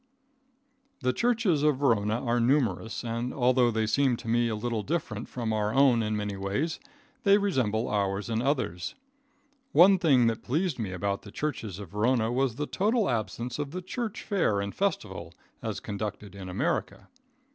The churches of Verona are numerous, and although they seem to me a little different from our own in many ways, they resemble ours in others. One thing that pleased me about the churches of Verona was the total absence of the church fair and festival as conducted in America.